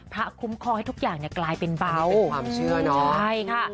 พระคุ้มคลอให้ทุกอย่างกลายเป็นเบาอันนี้เป็นความเชื่อเนอะ